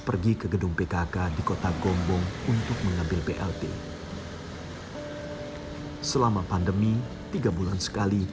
pergi ke gedung pkk di kota gombong untuk mengambil blt selama pandemi tiga bulan sekali